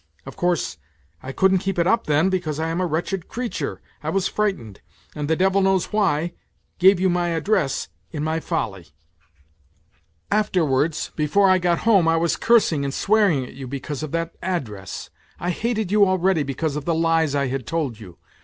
Of course, I couldn't keep it up then, because I am a wretched creature, I was frightened, and, the devil knows why, gave you my address 148 NOTES FROM UNDERGROUND in my folly. Afterwards, before I got home, I was cursing and swearing at you because of that address, I hated you already because of the lies I had told you.